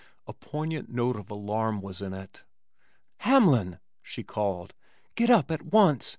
A poignant note of alarm was in it. "Hamlin," she called, "get up at once.